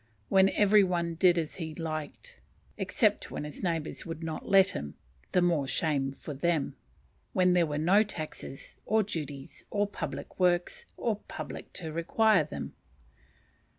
When every one did as he liked, except when his neighbours would not let him, (the more shame for them,) when there were no taxes, or duties, or public works, or public to require them.